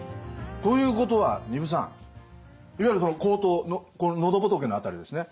ということは丹生さんいわゆる喉頭喉仏の辺りですね